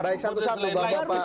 baik satu satu bapak